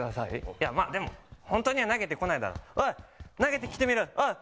いやまあでもホントには投げてこないだろうおい投げてきてみろよおい